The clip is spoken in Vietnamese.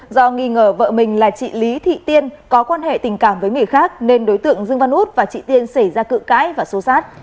do nghi ngờ vợ mình là chị lý thị tiên có quan hệ tình cảm với người khác nên đối tượng dương văn út và chị tiên xảy ra cự cãi và xô xát